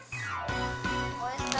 おいしそう。